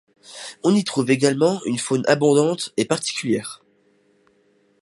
On y trouve également une faune abondante et particulière.